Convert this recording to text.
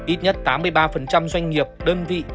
ít nhất tám mươi ba doanh nghiệp đơn vị